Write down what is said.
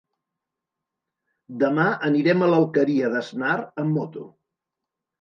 Demà anirem a l'Alqueria d'Asnar amb moto.